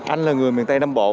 anh là người miền tây nam bộ